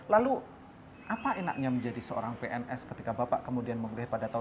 lalu apa enaknya menjadi seorang pns ketika bapak kemudian memilih pada tahun dua ribu